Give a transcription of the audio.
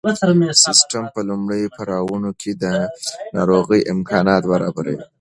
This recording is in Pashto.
سیسټم په لومړیو پړاوونو کې د ناروغۍ امکانات برابروي.